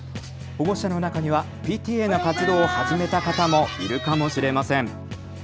保護者の中にはＰＴＡの活動を始めた方もいるかもしれません。